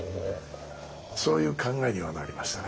そういう考えにはなりましたね。